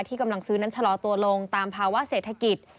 กำลังซื้อนั้นชะลอตัวลงตามภาวะเศรษฐกิจ